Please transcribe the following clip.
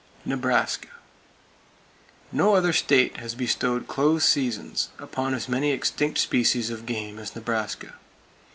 Nebraska: No other state has bestowed close seasons upon as many extinct species [Page 288] of game as Nebraska.